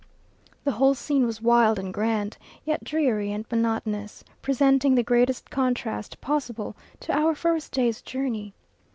The whole scene was wild and grand, yet dreary and monotonous, presenting the greatest contrast possible to our first day's journey.